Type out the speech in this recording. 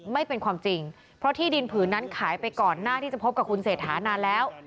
ไม่เป็นความจริงเพราะที่ดินผืนนั้นขายไปก่อนหน้าที่จะพบกับคุณเศรษฐานานแล้ว